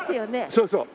そうそう。